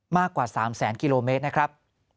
มากกว่า๓แสนกิโลเมตรนะครับ